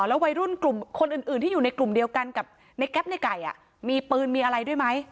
แล้ววัยรุ่นกลุ่มคนอื่นที่อยู่ในกลุ่มเดียวกันกับในแก๊ปในไก่มีปืนมีอะไรด้วยไหม